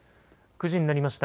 ９時になりました。